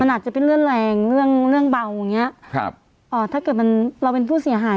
มันอาจจะเป็นเรื่องแรงเรื่องเรื่องเบาอย่างเงี้ยครับอ่าถ้าเกิดมันเราเป็นผู้เสียหาย